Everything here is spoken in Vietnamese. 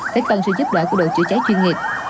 phải tăng sự giúp đỡ của đội chữa cháy chuyên nghiệp